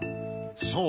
そう。